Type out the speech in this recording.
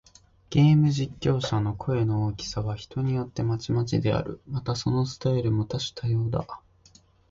ゲーム実況者の声の大きさは、人によってまちまちである。また、そのスタイルも多種多様だ。